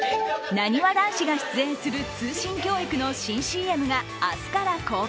なにわ男子が出演する通信教育の新ＣＭが明日から公開。